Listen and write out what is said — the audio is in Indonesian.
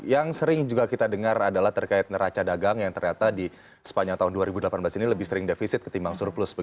yang sering juga kita dengar adalah terkait neraca dagang yang ternyata di sepanjang tahun dua ribu delapan belas ini lebih sering defisit ketimbang surplus